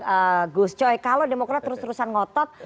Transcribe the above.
bagus coy kalau demokraat terus terusan ngotot